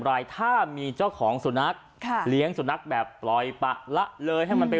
รายถ้ามีเจ้าของสุนัขค่ะเลี้ยงสุนัขแบบปล่อยปะละเลยให้มันไป